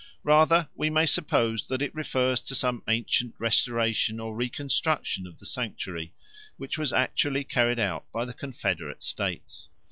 Rather we may suppose that it refers to some ancient restoration or reconstruction of the sanctuary, which was actually carried out by the confederate states.